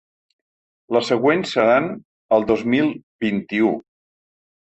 Les següents seran el dos mil vint-i-u.